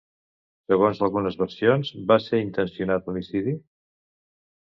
Segons algunes versions, va ser intencionat l'homicidi?